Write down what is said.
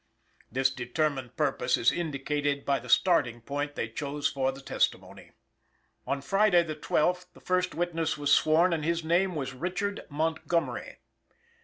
This determined purpose is indicated by the starting point they chose for the testimony. On Friday, the twelfth, the first witness was sworn, and his name was Richard Montgomery.